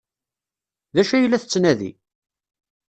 D acu ay la tettnadi?